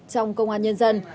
trong công an nhân dân